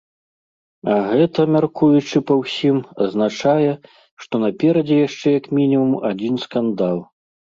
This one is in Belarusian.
А гэта, мяркуючы па ўсім, азначае, што наперадзе яшчэ як мінімум адзін скандал.